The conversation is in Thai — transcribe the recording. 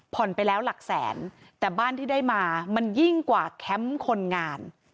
ไปแล้วหลักแสนแต่บ้านที่ได้มามันยิ่งกว่าแคมป์คนงาน